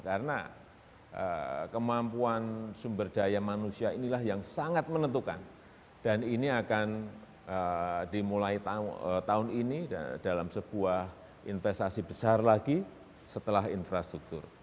karena kemampuan sumber daya manusia inilah yang sangat menentukan dan ini akan dimulai tahun ini dalam sebuah investasi besar lagi setelah infrastruktur